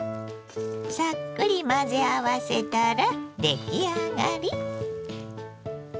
さっくり混ぜ合わせたら出来上がり。